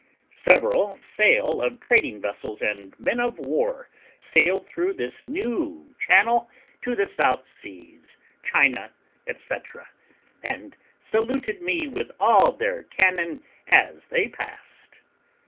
Several sail of trading vessels and men of war sailed through this new channel to the South Seas, China, &c., and saluted me with all their cannon as they passed.